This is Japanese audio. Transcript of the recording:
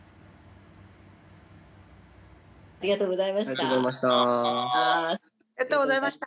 僕ね「ありがとうございました」。